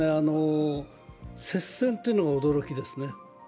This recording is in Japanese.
接戦というのが驚きですね。